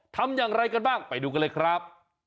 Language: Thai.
ทำอย่างไรกันบ้างไปดูกันเลยครับ